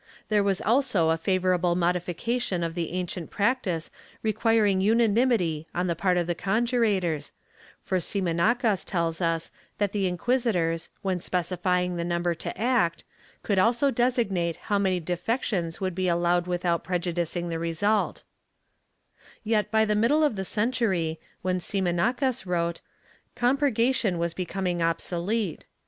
There was also a favorable modification of the ancient practice requiring unanimity on the part of the conjurators, for Simancas tells us that the inquisitors, when specifying the number to act, could also designate how many defections would be allowed with out prejudicing the result/ Yet by the middle of the century, when Simancas wrote, com purgation was becoming obsolete.